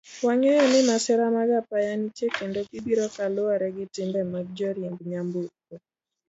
Wangeyo ni masira mag apaya nitie kendo gibiro kaluwore gi timbe mag joriemb nyamburko.